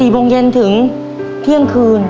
๔โมงเย็นถึงเที่ยงคืน